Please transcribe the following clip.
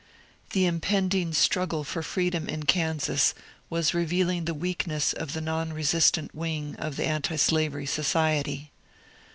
The impending struggle for freedom in E^sas was revealing the weakness of the non resistant wing of the Antislavery Society.